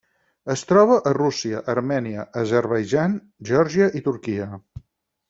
Es troba a Rússia, Armènia, Azerbaidjan, Geòrgia i Turquia.